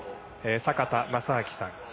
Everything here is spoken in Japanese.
坂田正彰さん。